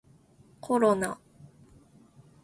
コロナ